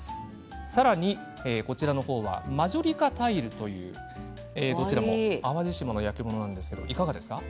さらに、こちらはマジョリカタイルというどちらも淡路島の焼き物なんですが、いかがですか。